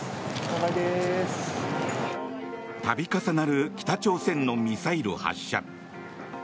度重なる北朝鮮のミサイル発射。